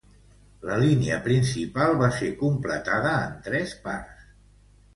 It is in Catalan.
La línia principal va ser completada en tres parts.